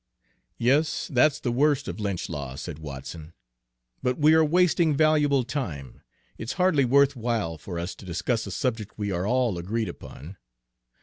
"Yes, that's the worst of lynch law," said Watson; "but we are wasting valuable time, it's hardly worth while for us to discuss a subject we are all agreed upon.